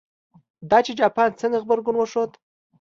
دا چې جاپان څنګه غبرګون وښود.